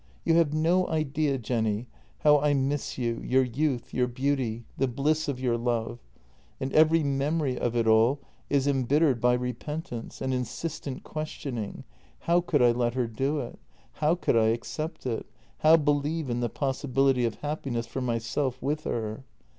You have no idea, Jenny, how I miss you, your youth, your beauty, the bliss of your love; and every memory of it all is embittered by repentance, an insistent ques tioning : How could I let her do it ? How could I accept it — how believe in the possibility of happiness for myself with her?